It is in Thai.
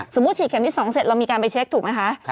ฉีดเข็มที่๒เสร็จเรามีการไปเช็คถูกไหมคะ